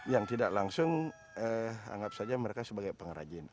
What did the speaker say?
yang tidak langsung anggap saja mereka sebagai pengrajin